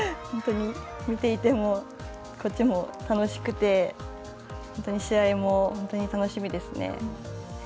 見ていてもこっちも楽しくて試合も本当に楽しみですね。